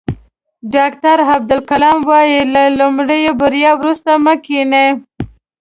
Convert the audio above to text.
ډاکټر عبدالکلام وایي له لومړۍ بریا وروسته مه کینئ.